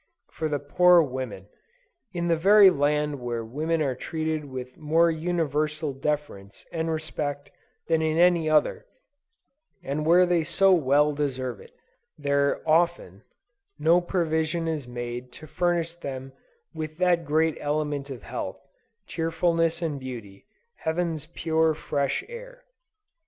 for the poor women! In the very land where women are treated with more universal deference and respect than in any other, and where they so well deserve it, there often, no provision is made to furnish them with that great element of health, cheerfulness and beauty, heaven's pure, fresh air.